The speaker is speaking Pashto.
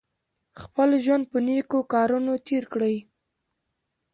خپل ژوند په نېکو کارونو تېر کړئ.